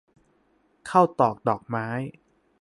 ข้าวตอกดอกไม้